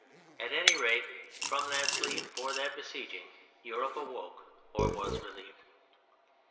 At any rate, from that sleep or that besieging Europe awoke or was relieved.